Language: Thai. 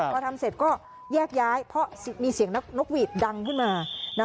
พอทำเสร็จก็แยกย้ายเพราะมีเสียงนกหวีดดังขึ้นมา